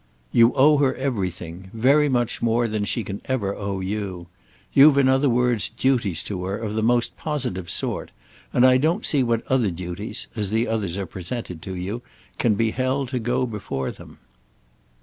"You owe her everything—very much more than she can ever owe you. You've in other words duties to her, of the most positive sort; and I don't see what other duties—as the others are presented to you—can be held to go before them."